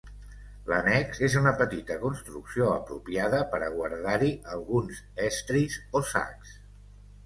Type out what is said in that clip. L'annex és una petita construcció apropiada per a guardar-hi alguns estris o sacs.